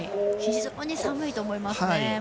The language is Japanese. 非常に寒いと思いますね。